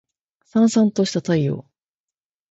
燦燦とした太陽